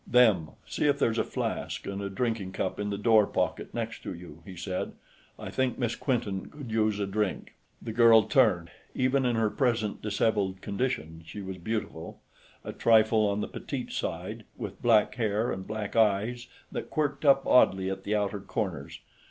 "Them, see if there's a flask and a drinking cup in the door pocket next to you," he said. "I think Miss Quinton could use a drink." The girl turned. Even in her present disheveled condition, she was beautiful a trifle on the petite side, with black hair and black eyes that quirked up oddly at the outer corners.